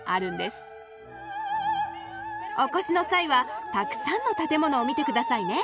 お越しの際はたくさんの建物を見てくださいね。